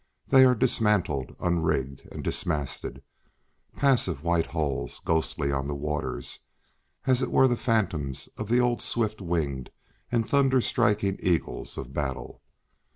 These are dismantled, unrigged and dismasted, passive white hulls ghostly on the waters, as it were the phantoms of the old swift winged and thunder striking eagles of battle.